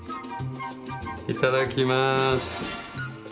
いただきます。